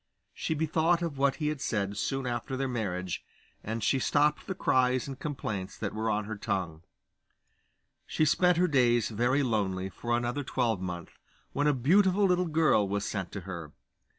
She bethought of what he said soon after their marriage, and she stopped the cries and complaints that were on her tongue. She spent her days very lonely for another twelvemonth, when a beautiful little girl was sent to her.